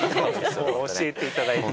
教えていただいて。